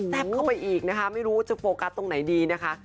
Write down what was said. เข้าไปอีกนะคะไม่รู้จะโฟกัสตรงไหนดีนะคะ